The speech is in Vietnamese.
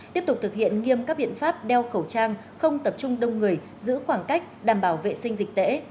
tiếp tục thực hiện nghiêm các biện pháp đeo khẩu trang không tập trung đông người giữ khoảng cách đảm bảo vệ sinh dịch tễ